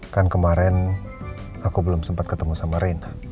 kan kemarin aku belum sempat ketemu sama rena